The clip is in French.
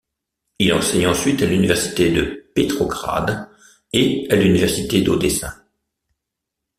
Il enseigne ensuite à l'université de Petrograd et à l'université d'Odessa.